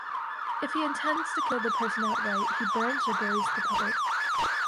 If he intends to kill the person outright, he burns or buries the puppet.